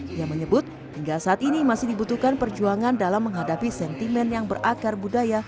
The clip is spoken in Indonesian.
dia menyebut hingga saat ini masih dibutuhkan perjuangan dalam menghadapi sentimen yang berakar budaya